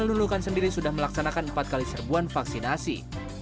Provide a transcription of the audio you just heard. lana lunukan sendiri sudah melaksanakan empat kali serbuan vaksinasi